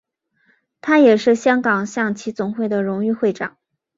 他也是香港象棋总会的荣誉会长。